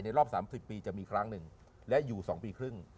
ในรอบ๓๐ปีจะมีอยู่๒ปีครึ่ง